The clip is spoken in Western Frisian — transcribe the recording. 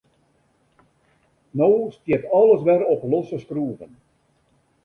No stiet alles wer op losse skroeven.